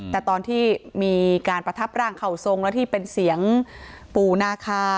แต่ตอนที่มีการประทับร่างเข่าทรงแล้วที่เป็นเสียงปู่นาคา